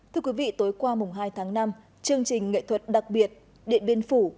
thưa quý vị tối qua mùng hai tháng năm chương trình nghệ thuật đặc biệt điện biên phủ